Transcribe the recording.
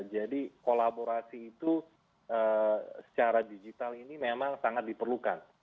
jadi kolaborasi itu secara digital ini memang sangat diperlukan